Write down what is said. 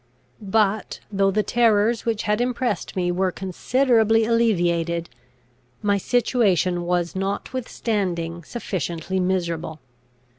But though the terrors which had impressed me were considerably alleviated, my situation was notwithstanding sufficiently miserable.